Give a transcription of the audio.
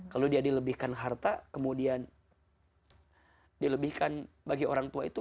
kalau dia dilebihkan harta kemudian dilebihkan bagi orang tua itu